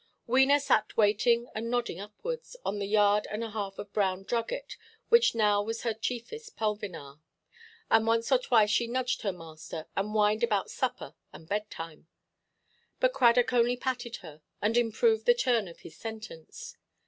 Wena sat waiting and nodding upwards, on the yard and a half of brown drugget, which now was her chiefest pulvinar, and once or twice she nudged her master, and whined about supper and bedtime. But Cradock only patted her, and improved the turn of his sentence.